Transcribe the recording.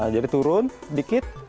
jadi turun dikit